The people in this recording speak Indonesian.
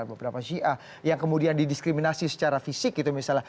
beberapa syiah yang kemudian didiskriminasi secara fisik gitu misalnya